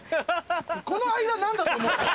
この間何だと思ってる？